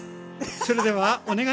それではお願いします！